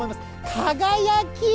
輝き。